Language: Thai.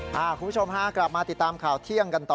คุณผู้ชมฮะกลับมาติดตามข่าวเที่ยงกันต่อ